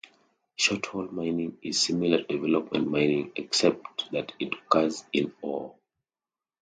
Short hole mining is similar to development mining, except that it occurs in ore.